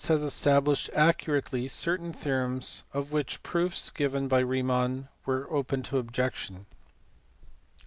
470) has established accurately certain theorems of which the proofs given by Riemann were open to objection.